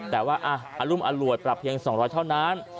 และว่าอลุ้มหลวดปรับเพียง๒๐๐เท่านั้น